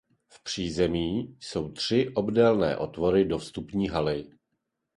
V přízemí jsou tři obdélné otvory do vstupní haly.